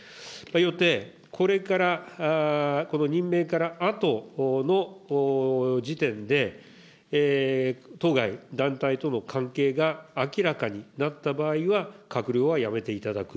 よって、これから、この任命からあとの時点で、当該団体との関係が明らかになった場合は、閣僚は辞めていただく。